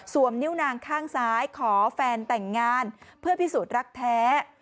นิ้วนางข้างซ้ายขอแฟนแต่งงานเพื่อพิสูจน์รักแท้